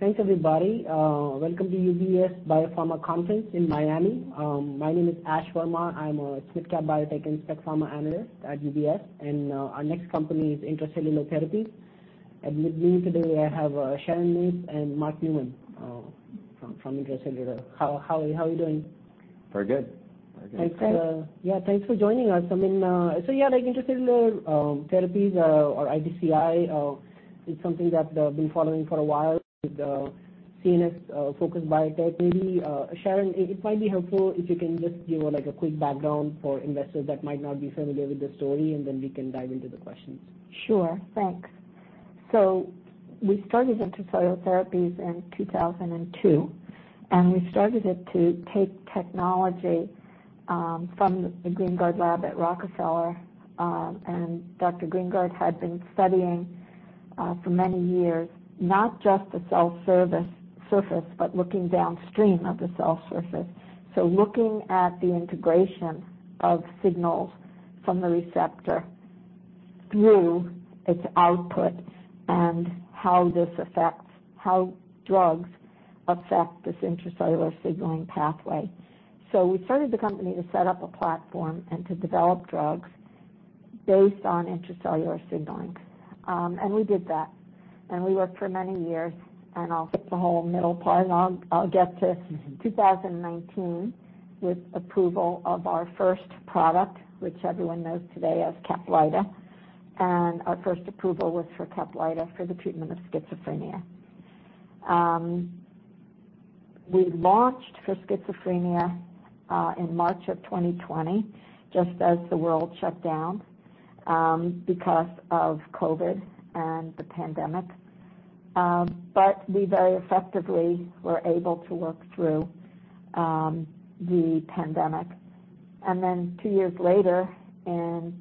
Thanks, everybody. Welcome to UBS Biopharma Conference in Miami. My name is Ash Verma. I'm a SMID-cap biotech and spec pharma analyst at UBS, and our next company is Intra-Cellular Therapies. And with me today, I have Sharon Mates and Mark Neumann from Intra-Cellular. How are you doing? Very good. Very good. Thanks. Great. Yeah, thanks for joining us. I mean, so yeah, like Intra-Cellular Therapies, or ITCI, is something that I've been following for a while, with the CNS focused biotech. Maybe, Sharon, it might be helpful if you can just give us, like, a quick background for investors that might not be familiar with the story, and then we can dive into the questions. Sure. Thanks. So we started Intra-Cellular Therapies in 2002, and we started it to take technology from the Greengard lab at Rockefeller. And Dr. Greengard had been studying for many years, not just the cell surface, but looking downstream of the cell surface. So looking at the integration of signals from the receptor through its output and how this affects, how drugs affect this intracellular signaling pathway. So we started the company to set up a platform and to develop drugs based on intracellular signaling. And we did that, and we worked for many years, and I'll skip the whole middle part, and I'll get to 2019, with approval of our first product, which everyone knows today as Caplyta, and our first approval was for Caplyta for the treatment of schizophrenia. We launched for schizophrenia in March of 2020, just as the world shut down because of COVID and the pandemic. But we very effectively were able to work through the pandemic. And then two years later, in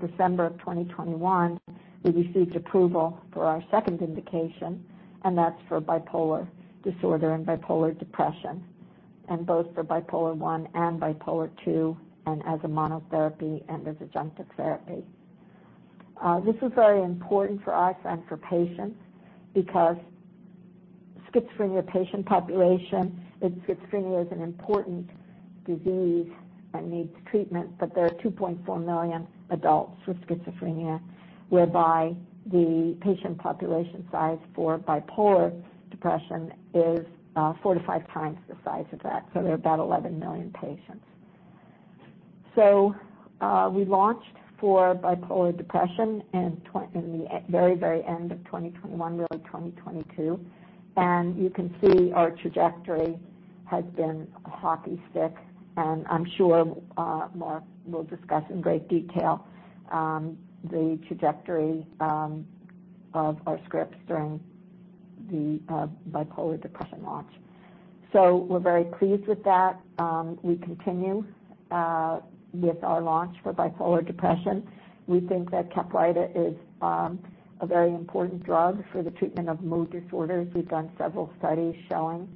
December of 2021, we received approval for our second indication, and that's for bipolar disorder and bipolar depression, and both for bipolar I and bipolar II, and as a monotherapy and as adjunctive therapy. This is very important for us and for patients because schizophrenia patient population, and schizophrenia is an important disease and needs treatment, but there are 2.4 million adults with schizophrenia, whereby the patient population size for bipolar depression is 4-5x the size of that, so there are about 11 million patients. So, we launched for bipolar depression in the very, very end of 2021, really 2022. And you can see our trajectory has been a hockey stick, and I'm sure Mark will discuss in great detail the trajectory of our scripts during the bipolar depression launch. So we're very pleased with that. We continue with our launch for bipolar depression. We think that Caplyta is a very important drug for the treatment of mood disorders. We've done several studies showing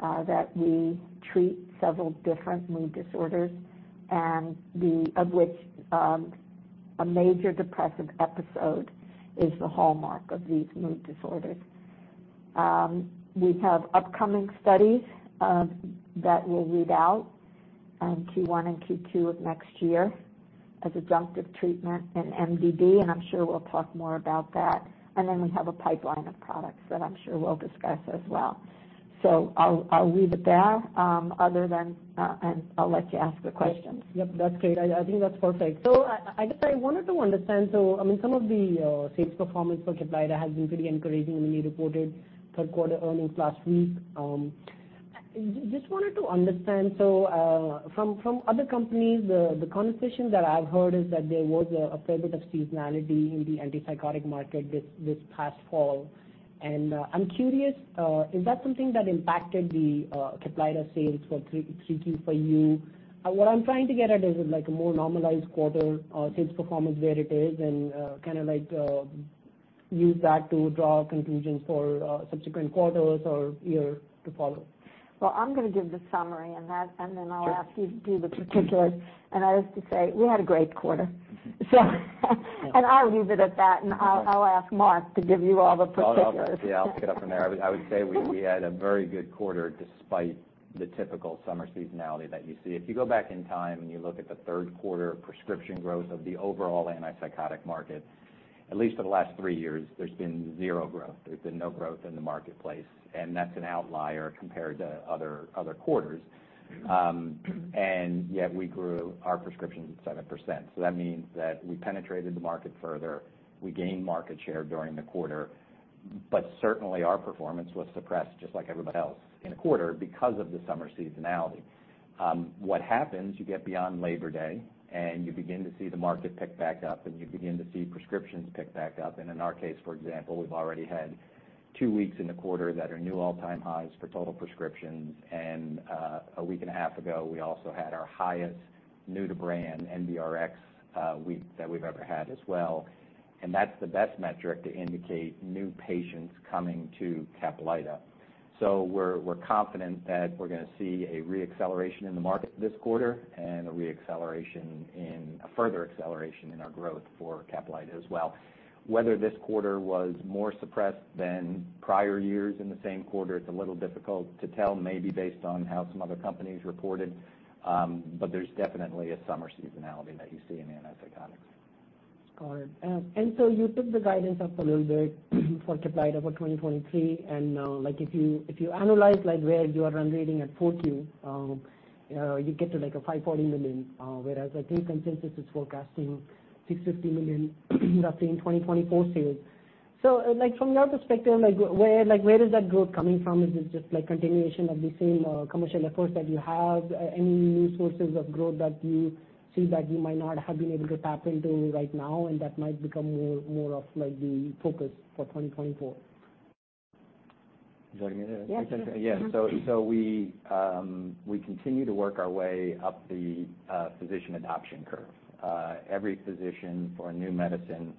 that we treat several different mood disorders, and of which, a major depressive episode is the hallmark of these mood disorders. We have upcoming studies that we'll read out in Q1 and Q2 of next year as adjunctive treatment in MDD, and I'm sure we'll talk more about that. And then we have a pipeline of products that I'm sure we'll discuss as well. So I'll leave it there, other than, and I'll let you ask the questions. Yep, that's great. I think that's perfect. So I guess I wanted to understand, so I mean, some of the sales performance for Caplyta has been pretty encouraging when you reported third quarter earnings last week. Just wanted to understand, so from other companies, the conversation that I've heard is that there was a fair bit of seasonality in the antipsychotic market this past fall. And I'm curious, is that something that impacted the Caplyta sales for 3Q for you? What I'm trying to get at is like a more normalized quarter sales performance, where it is, and kind of like use that to draw conclusions for subsequent quarters or years to follow. Well, I'm going to give the summary, and then- Sure. I'll ask you to do the particulars. And I have to say, we had a great quarter. So, I'll leave it at that, and I'll ask Mark to give you all the particulars. Yeah, I'll pick it up from there. I would say we had a very good quarter, despite the typical summer seasonality that you see. If you go back in time and you look at the third quarter prescription growth of the overall antipsychotic market, at least for the last three years, there's been zero growth. There's been no growth in the marketplace, and that's an outlier compared to other quarters. And yet we grew our prescriptions 7%. So that means that we penetrated the market further, we gained market share during the quarter, but certainly, our performance was suppressed just like everybody else in the quarter because of the summer seasonality. What happens, you get beyond Labor Day, and you begin to see the market pick back up, and you begin to see prescriptions pick back up. In our case, for example, we've already had two weeks in a quarter that are new all-time highs for total prescriptions. And a week and a half ago, we also had our highest new-to-brand, NBRX, week that we've ever had as well. And that's the best metric to indicate new patients coming to CAPLYTA... So we're, we're confident that we're gonna see a re-acceleration in the market this quarter and a re-acceleration in a further acceleration in our growth for CAPLYTA as well. Whether this quarter was more suppressed than prior years in the same quarter, it's a little difficult to tell, maybe based on how some other companies reported, but there's definitely a summer seasonality that you see in antipsychotics. Got it. And so you took the guidance up a little bit for Caplyta for 2023, and, like, if you, if you analyze, like, where you are run rating at Q4, you get to, like, a $540 million, whereas I think consensus is forecasting $650 million in 2024 sales. So, like, from your perspective, like, where, like, where is that growth coming from? Is it just, like, continuation of the same commercial efforts that you have? Any new sources of growth that you see that you might not have been able to tap into right now, and that might become more, more of, like, the focus for 2024? Do you want me to- Yeah. Yeah. So, so we continue to work our way up the physician adoption curve. Every physician for a new medicine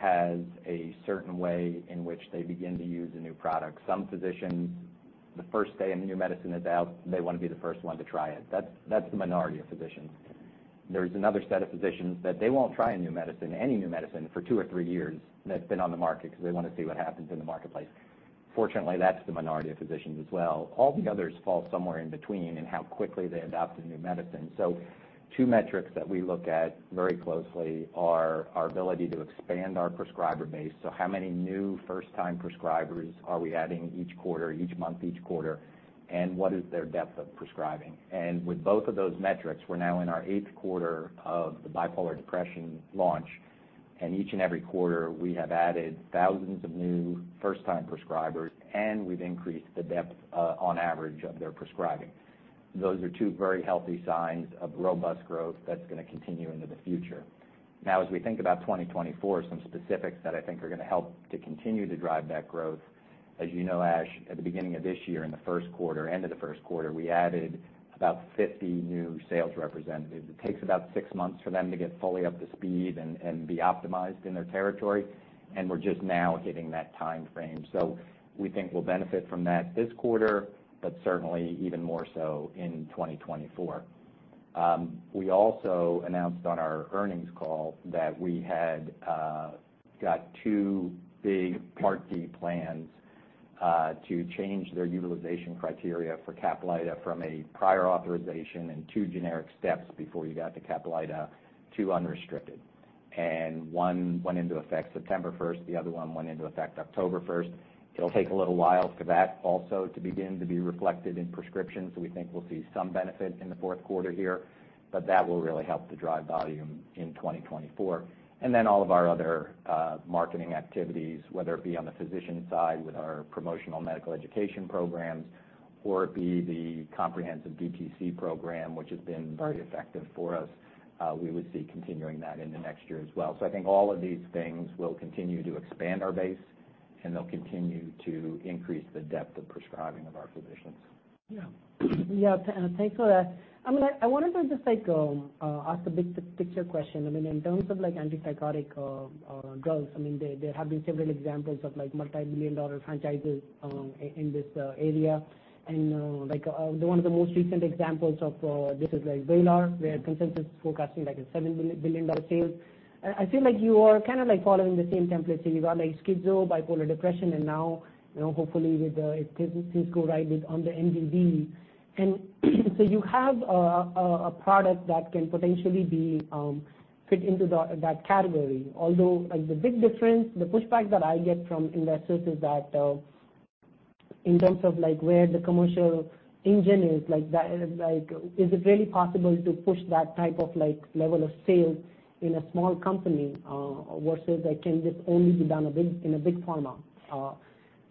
has a certain way in which they begin to use a new product. Some physicians, the first day a new medicine is out, they wanna be the first one to try it. That's, that's the minority of physicians. There's another set of physicians that they won't try a new medicine, any new medicine, for two or three years that's been on the market, because they wanna see what happens in the marketplace. Fortunately, that's the minority of physicians as well. All the others fall somewhere in between in how quickly they adopt a new medicine. So two metrics that we look at very closely are our ability to expand our prescriber base. So how many new first-time prescribers are we adding each quarter, each month, each quarter? And what is their depth of prescribing? And with both of those metrics, we're now in our eighth quarter of the bipolar depression launch, and each and every quarter, we have added thousands of new first-time prescribers, and we've increased the depth, on average, of their prescribing. Those are two very healthy signs of robust growth that's gonna continue into the future. Now, as we think about 2024, some specifics that I think are gonna help to continue to drive that growth, as you know, Ash, at the beginning of this year, in the first quarter, end of the first quarter, we added about 50 new sales representatives. It takes about six months for them to get fully up to speed and be optimized in their territory, and we're just now hitting that time frame. So we think we'll benefit from that this quarter, but certainly even more so in 2024. We also announced on our earnings call that we had got two big Part D plans to change their utilization criteria for CAPLYTA from a prior authorization and two generic steps before you got to CAPLYTA to unrestricted. And one went into effect September first, the other one went into effect October first. It'll take a little while for that also to begin to be reflected in prescriptions. So we think we'll see some benefit in the fourth quarter here, but that will really help to drive volume in 2024. And then all of our other marketing activities, whether it be on the physician side with our promotional medical education programs, or it be the comprehensive DTC program, which has been- Right Very effective for us, we would see continuing that in the next year as well. So I think all of these things will continue to expand our base, and they'll continue to increase the depth of prescribing of our physicians. Yeah. Yeah, thanks for that. I mean, I wanted to just, like, ask a big picture question. I mean, in terms of, like, antipsychotic drugs, I mean, there have been several examples of, like, multi-billion dollar franchises, in this area. And, like, one of the most recent examples of this is like Vraylar, where consensus is forecasting, like, a $7 billion sales. I feel like you are kind of, like, following the same template. So you got, like, schizo, bipolar depression, and now, you know, hopefully, if things go right with the MDD. And so you have a product that can potentially be fit into that category. Although, like, the big difference, the pushback that I get from investors is that, in terms of, like, where the commercial engine is, like, that, like, is it really possible to push that type of, like, level of sales in a small company, versus, like, can this only be done a big, in a big pharma?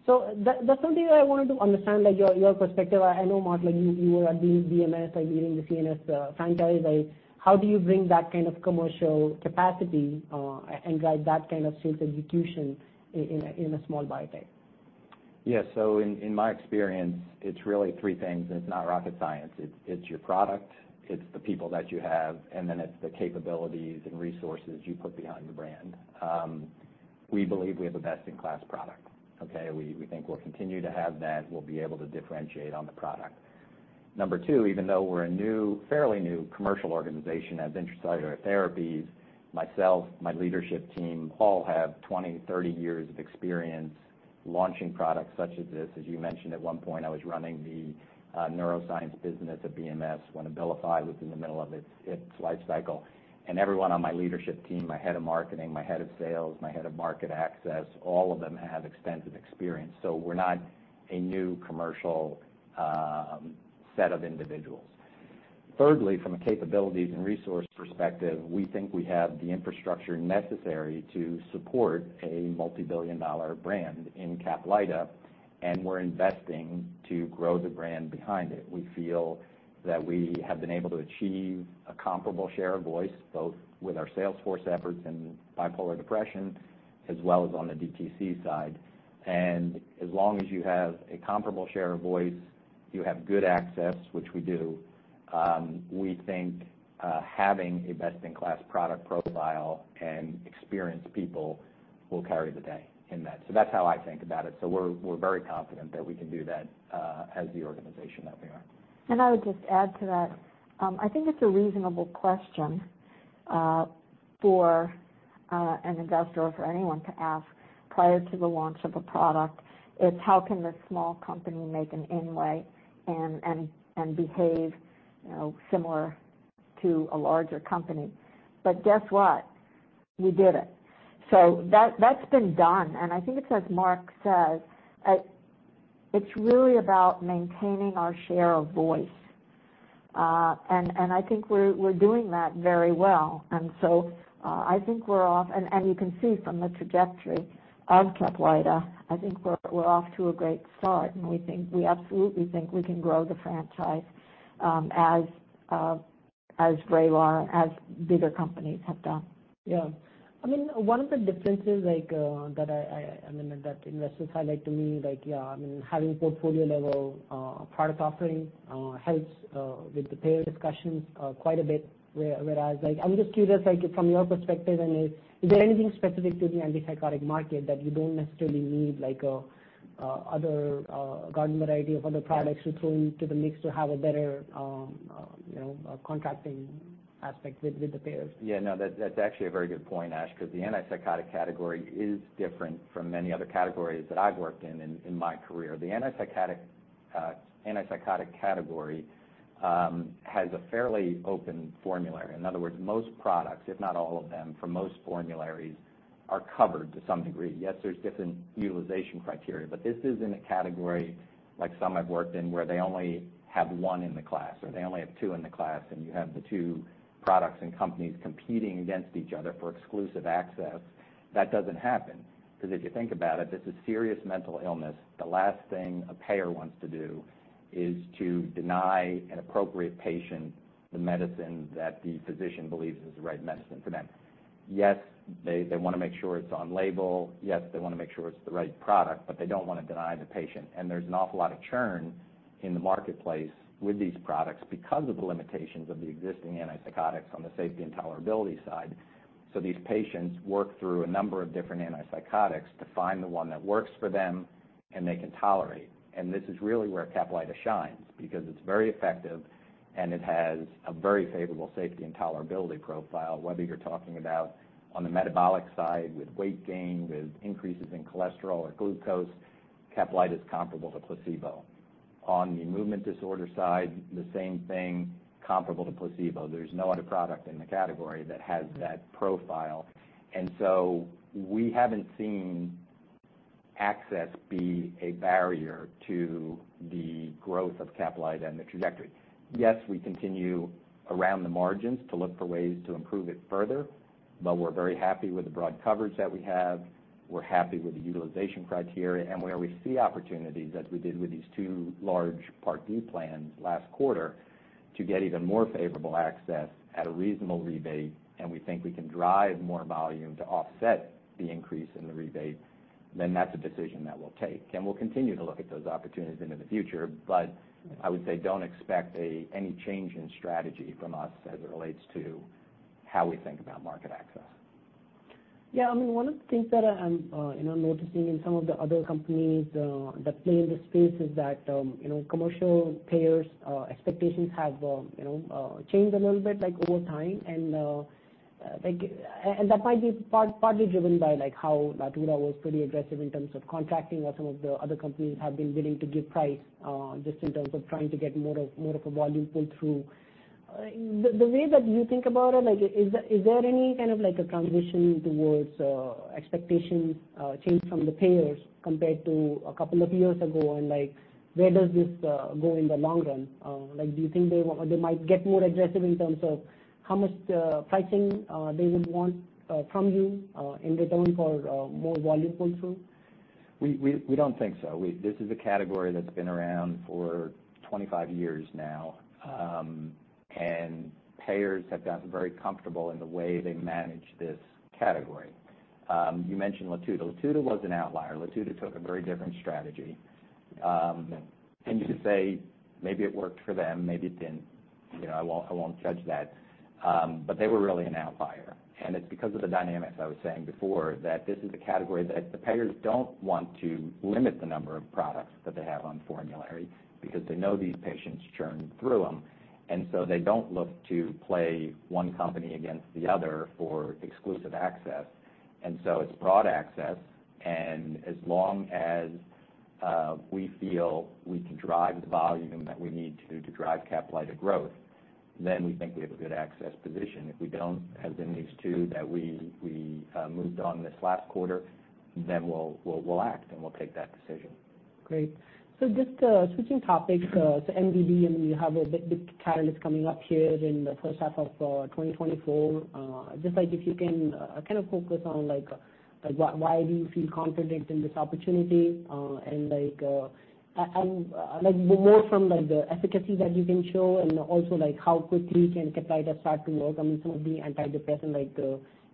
So that's something I wanted to understand, like, your, your perspective. I know, Mark, like, you, you were leading BMS and leading the CNS franchise. Like, how do you bring that kind of commercial capacity, and drive that kind of sales execution in a, in a small biotech? Yes. So in my experience, it's really three things, and it's not rocket science. It's your product, it's the people that you have, and then it's the capabilities and resources you put behind the brand. We believe we have a best-in-class product, okay? We think we'll continue to have that. We'll be able to differentiate on the product. Number two, even though we're a new, fairly new commercial organization as Intra-Cellular Therapies, myself, my leadership team, all have 20, 30 years of experience launching products such as this. As you mentioned, at one point, I was running the neuroscience business at BMS when Abilify was in the middle of its life cycle. Everyone on my leadership team, my head of marketing, my head of sales, my head of market access, all of them have extensive experience, so we're not a new commercial set of individuals. Thirdly, from a capabilities and resource perspective, we think we have the infrastructure necessary to support a multi-billion-dollar brand in CAPLYTA, and we're investing to grow the brand behind it. We feel that we have been able to achieve a comparable share of voice, both with our sales force efforts and bipolar depression, as well as on the DTC side. And as long as you have a comparable share of voice you have good access, which we do, we think, having a best-in-class product profile and experienced people will carry the day in that. So that's how I think about it. We're very confident that we can do that, as the organization that we are. And I would just add to that, I think it's a reasonable question for an investor or for anyone to ask prior to the launch of a product, is how can this small company make an inroad and behave, you know, similar to a larger company? But guess what? We did it. So that's been done, and I think it's as Mark says, it's really about maintaining our share of voice. And I think we're doing that very well. And so I think we're off to a great start, and you can see from the trajectory of Caplyta, I think we're off to a great start, and we think we absolutely think we can grow the franchise as Vraylar, as bigger companies have done. Yeah. I mean, one of the differences like that investors highlight to me, like, yeah, I mean, having portfolio level product offering helps with the payer discussions quite a bit, whereas like... I'm just curious, like from your perspective, and is there anything specific to the antipsychotic market that you don't necessarily need, like other garden variety of other products to throw into the mix to have a better, you know, contracting aspect with the payers? Yeah, no, that's actually a very good point, Ash, 'cause the antipsychotic category is different from many other categories that I've worked in in my career. The antipsychotic category has a fairly open formulary. In other words, most products, if not all of them, for most formularies, are covered to some degree. Yes, there's different utilization criteria, but this isn't a category like some I've worked in, where they only have one in the class, or they only have two in the class, and you have the two products and companies competing against each other for exclusive access. That doesn't happen, 'cause if you think about it, this is serious mental illness. The last thing a payer wants to do is to deny an appropriate patient the medicine that the physician believes is the right medicine for them. Yes, they, they wanna make sure it's on label. Yes, they wanna make sure it's the right product, but they don't wanna deny the patient. And there's an awful lot of churn in the marketplace with these products because of the limitations of the existing antipsychotics on the safety and tolerability side. So these patients work through a number of different antipsychotics to find the one that works for them and they can tolerate. And this is really where CAPLYTA shines, because it's very effective, and it has a very favorable safety and tolerability profile, whether you're talking about on the metabolic side, with weight gain, with increases in cholesterol or glucose, CAPLYTA is comparable to placebo. On the movement disorder side, the same thing, comparable to placebo. There's no other product in the category that has that profile. We haven't seen access be a barrier to the growth of CAPLYTA and the trajectory. Yes, we continue around the margins to look for ways to improve it further, but we're very happy with the broad coverage that we have. We're happy with the utilization criteria, and where we see opportunities, as we did with these two large Part D plans last quarter, to get even more favorable access at a reasonable rebate, and we think we can drive more volume to offset the increase in the rebate, then that's a decision that we'll take. And we'll continue to look at those opportunities into the future, but I would say don't expect any change in strategy from us as it relates to how we think about market access. Yeah, I mean, one of the things that I'm, you know, noticing in some of the other companies that play in this space is that, you know, commercial payers' expectations have, you know, changed a little bit, like, over time. And, like, and that might be partly driven by, like, how Latuda was pretty aggressive in terms of contracting or some of the other companies have been willing to give price, just in terms of trying to get more of, more of a volume pull-through. The way that you think about it, like, is there any kind of like a transition towards, expectations change from the payers compared to a couple of years ago? And, like, where does this go in the long run? Like, do you think they might get more aggressive in terms of how much pricing they would want from you in return for more volume pull-through? We don't think so. This is a category that's been around for 25 years now. And payers have gotten very comfortable in the way they manage this category. You mentioned Latuda. Latuda was an outlier. Latuda took a very different strategy. And you could say, maybe it worked for them, maybe it didn't. You know, I won't judge that. But they were really an outlier, and it's because of the dynamics I was saying before, that this is a category that the payers don't want to limit the number of products that they have on formulary, because they know these patients churn through them, and so they don't look to play one company against the other for exclusive access. It's broad access, and as long as we feel we can drive the volume that we need to drive Caplyta growth, then we think we have a good access position. If we don't, as in these two that we moved on this last quarter, then we'll act, and we'll take that decision. Great. So just switching topics to MDD, and we have a big, big catalyst coming up here in the first half of 2024. Just like if you can kind of focus on like why do you feel confident in this opportunity? And like more from the efficacy that you can show and also like how quickly can CAPLYTA start to work? I mean, some of the antidepressant like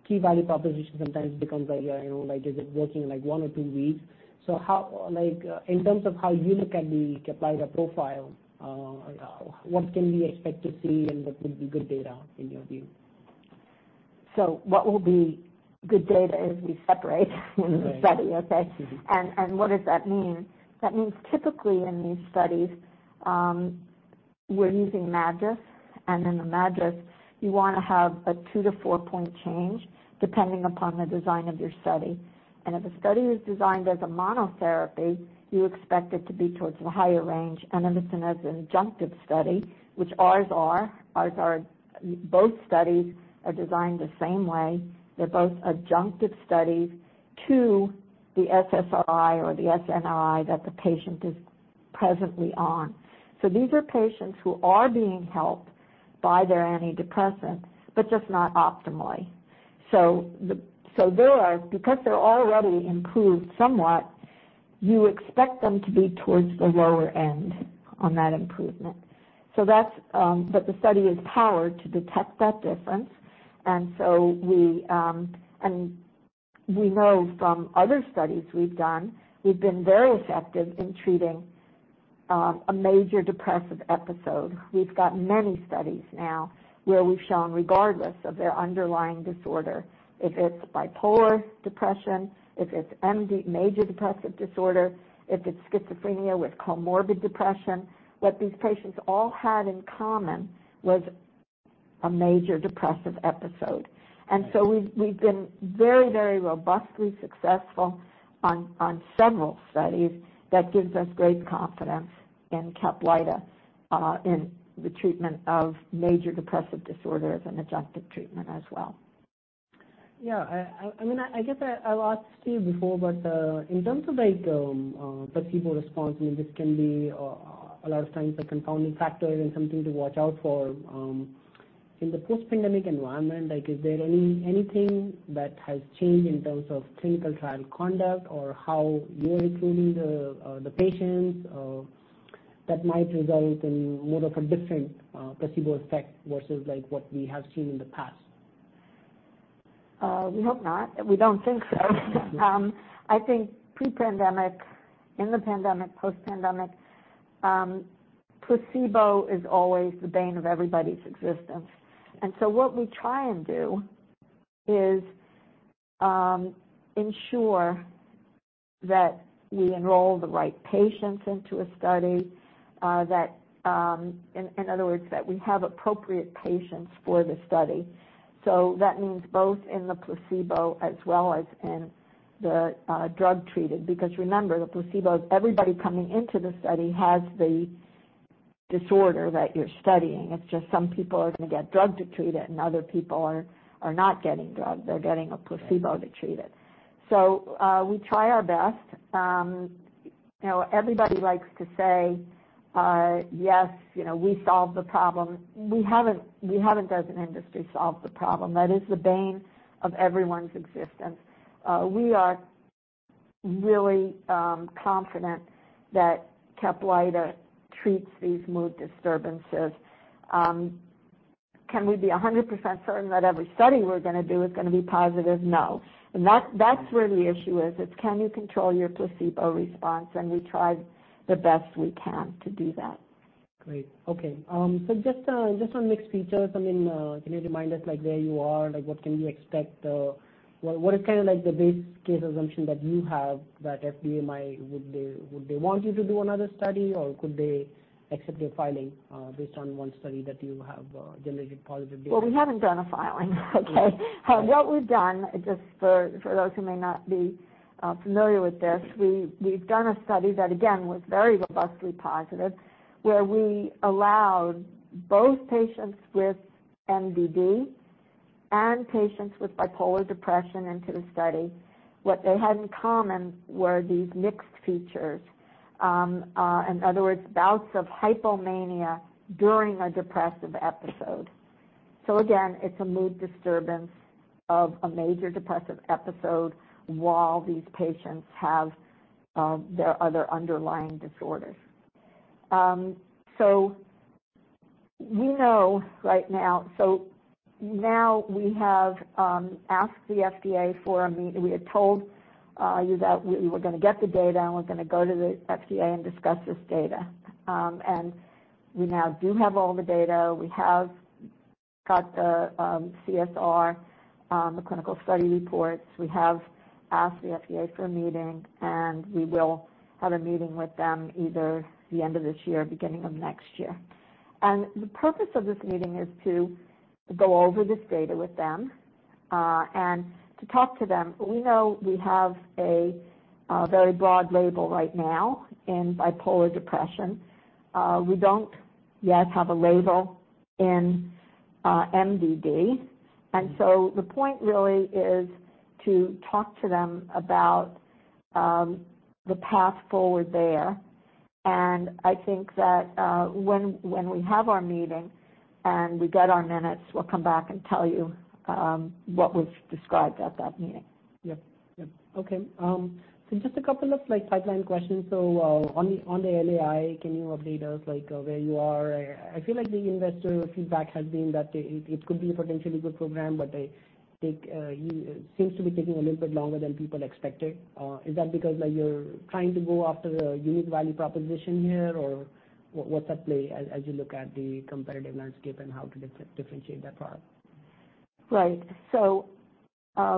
key value propositions sometimes becomes like you know like is it working in like one or two weeks? So how... Like in terms of how you look at the CAPLYTA profile what can we expect to see, and what would be good data, in your view?... So what will be good data is we separate in the study, okay? And what does that mean? That means typically in these studies, we're using MADRS, and in the MADRS, you wanna have atwo to four point change, depending upon the design of your study. And if a study is designed as a monotherapy, you expect it to be towards the higher range. And then as an adjunctive study, which ours are, both studies are designed the same way. They're both adjunctive studies to the SSRI or the SNRI that the patient is presently on. So these are patients who are being helped by their antidepressant, but just not optimally. So they are, because they're already improved somewhat, you expect them to be towards the lower end on that improvement. So that's but the study is powered to detect that difference. And so we and we know from other studies we've done, we've been very effective in treating a major depressive episode. We've got many studies now where we've shown, regardless of their underlying disorder, if it's bipolar depression, if it's MD, major depressive disorder, if it's schizophrenia with comorbid depression, what these patients all had in common was a major depressive episode. And so we've, we've been very, very robustly successful on, on several studies. That gives us great confidence in Caplyta in the treatment of major depressive disorder as an adjunctive treatment as well. Yeah, I mean, I guess I've asked you before, but in terms of like, placebo response, I mean, this can be a lot of times a confounding factor and something to watch out for in the post-pandemic environment, like, is there anything that has changed in terms of clinical trial conduct or how you're including the patients that might result in more of a different placebo effect versus like what we have seen in the past? We hope not. We don't think so. I think pre-pandemic, in the pandemic, post-pandemic, placebo is always the bane of everybody's existence. And so what we try and do is, ensure that we enroll the right patients into a study, that, in other words, that we have appropriate patients for the study. So that means both in the placebo as well as in the, drug treated, because remember, the placebo, everybody coming into the study has the disorder that you're studying. It's just some people are gonna get drug to treat it, and other people are not getting drug. They're getting a placebo to treat it. So, we try our best. You know, everybody likes to say, yes, you know, we solved the problem. We haven't, as an industry, solved the problem. That is the bane of everyone's existence. We are really confident that Caplyta treats these mood disturbances. Can we be 100% certain that every study we're gonna do is gonna be positive? No. And that's, that's where the issue is. It's, can you control your placebo response? And we try the best we can to do that. Great. Okay. So just, just on mixed features, I mean, can you remind us, like, where you are? Like, what can we expect, what, what is kind of like the base case assumption that you have, that FDA might- would they, would they want you to do another study, or could they accept your filing, based on one study that you have, generated positive data? Well, we haven't done a filing. Okay. What we've done, just for those who may not be familiar with this, we've done a study that, again, was very robustly positive, where we allowed both patients with MDD and patients with bipolar depression into the study. What they had in common were these mixed features. In other words, bouts of hypomania during a depressive episode. So again, it's a mood disturbance of a major depressive episode while these patients have their other underlying disorders. So we know right now. So now we have asked the FDA for a meeting. We had told you that we were gonna get the data, and we're gonna go to the FDA and discuss this data. And we now do have all the data. We have got the CSR, the clinical study reports. We have asked the FDA for a meeting, and we will have a meeting with them either the end of this year, beginning of next year. The purpose of this meeting is to go over this data with them, and to talk to them. We know we have a very broad label right now in bipolar depression. We don't yet have a label in MDD. So the point really is to talk to them about the path forward there. I think that when we have our meeting and we get our minutes, we'll come back and tell you what was described at that meeting. Yep. Yep. Okay, so just a couple of, like, pipeline questions. So, on the, on the LAI, can you update us, like, where you are? I, I feel like the investor feedback has been that it, it could be a potentially good program, but I think, you it seems to be taking a little bit longer than people expected. Is that because, like, you're trying to go after a unique value proposition here, or what, what's at play as, as you look at the competitive landscape and how to differentiate that product? Right. So,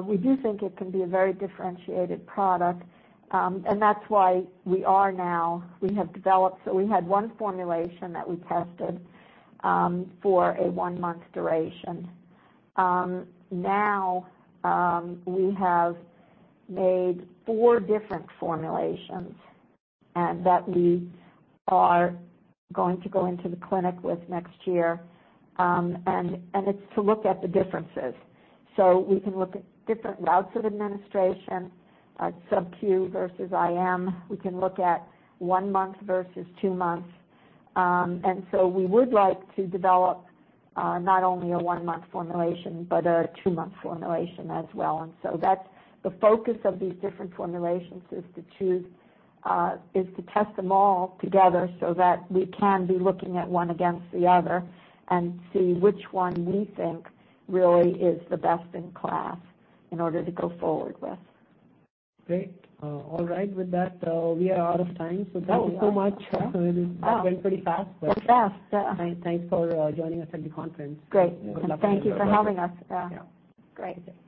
we do think it can be a very differentiated product, and that's why we have developed. So we had one formulation that we tested for a one-month duration. Now, we have made four different formulations and that we are going to go into the clinic with next year. And it's to look at the differences. So we can look at different routes of administration, sub-Q versus IM. We can look at one month versus two months. And so we would like to develop not only a one-month formulation, but a two-month formulation as well. And so that's the focus of these different formulations, is to test them all together so that we can be looking at one against the other and see which one we think really is the best in class in order to go forward with. Great. All right, with that, we are out of time. Oh! Thank you so much. Yeah. It went pretty fast, but- Went fast, yeah. Thanks, thanks for joining us at the conference. Great. Good luck- Thank you for having us. Yeah. Great.